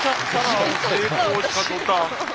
あの成功した途端。